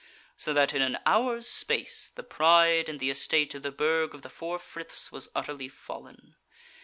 So that in an hour's space the pride and the estate of the Burg of the Four Friths was utterly fallen.